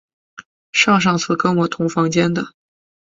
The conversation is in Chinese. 上上次跟我同房间的